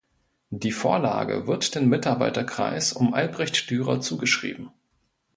Die Vorlage wird dem Mitarbeiterkreis um Albrecht Dürer zugeschrieben.